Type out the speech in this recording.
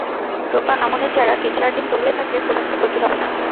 রোপা আমনের চারা তিন-চার দিন তলিয়ে থাকলে খুব একটা ক্ষতি হবে না।